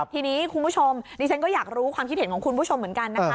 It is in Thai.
ทีนี้คุณผู้ชมดิฉันก็อยากรู้ความคิดเห็นของคุณผู้ชมเหมือนกันนะคะ